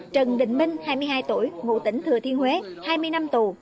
trần đình minh hai mươi hai tuổi ngụ tỉnh thừa thiên huế hai mươi năm tù